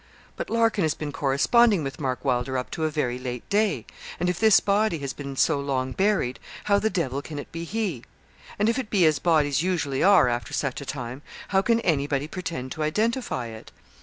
'But Larkin has been corresponding with Mark Wylder up to a very late day, and if this body has been so long buried, how the devil can it be he? And if it be as bodies usually are after such a time, how can anybody pretend to identify it?